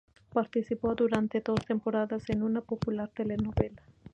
Participó durante dos temporadas en una popular telenovela.